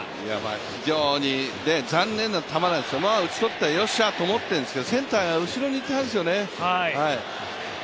非常に残念な球なんですよ、打ち取って、よっしゃーとは思ったんですがセンターが後ろにいたんですよね。